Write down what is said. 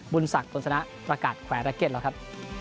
บุญศักดิ์ตนสนะประกาศแควร์รักเก็ตแล้วครับ